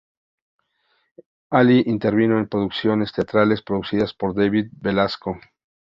Allí intervino en producciones teatrales producidas por David Belasco.